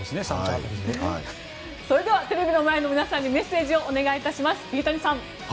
それではテレビの前の皆さんにメッセージをお願いします。